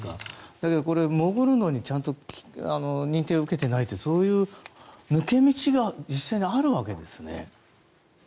だけどこれ潜るのにちゃんと認定を受けていないってそういう抜け道が実際にあるわけですね。